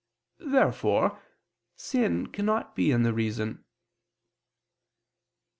Therefore sin cannot be in the reason.